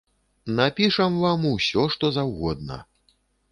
Напішам вам усё, што заўгодна.